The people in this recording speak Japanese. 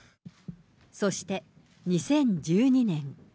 そして、２０１２年。